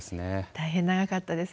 大変長かったです。